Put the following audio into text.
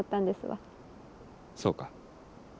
そうか。